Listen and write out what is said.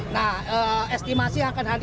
nah estimasi akan hadir